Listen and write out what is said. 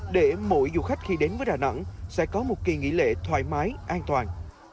để mỗi du khách khi đến với đà nẵng sẽ có một kỳ nghỉ lễ thoải mái an toàn